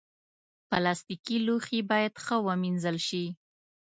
پلاستيکي لوښي باید ښه ومینځل شي.